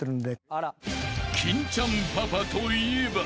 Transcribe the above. ［金ちゃんパパといえば］